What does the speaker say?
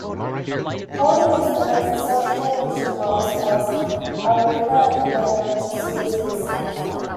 Holden is known for such television roles as Arina in the adventure series "BeastMaster".